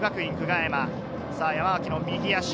山脇の右足。